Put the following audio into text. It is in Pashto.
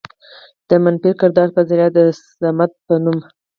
د منفي کردار په ذريعه د صمد په نوم